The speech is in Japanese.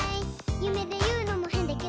「ゆめでいうのもへんだけど」